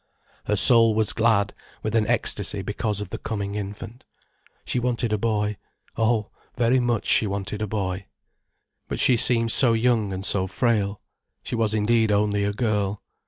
Her soul was glad with an ecstasy because of the coming infant. She wanted a boy: oh, very much she wanted a boy. But she seemed so young and so frail. She was indeed only a girl.